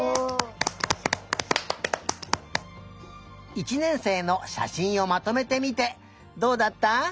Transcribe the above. １年生のしゃしんをまとめてみてどうだった？